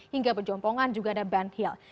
hingga pejompongan juga ada band hill